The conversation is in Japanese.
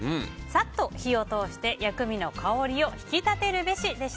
さっと火を通して薬味の香りを引き立てるべし。